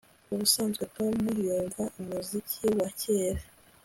Ubusanzwe Tom yumva umuziki wa kera